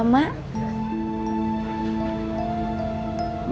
mak mau ngomong duduk